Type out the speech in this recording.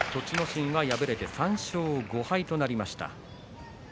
心は敗れて３勝５敗となりました。